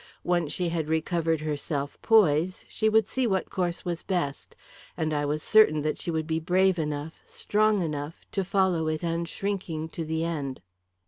Once she had recovered her self poise, she would see what course was best, and I was certain that she would be brave enough, strong enough, to follow it unshrinking to the end.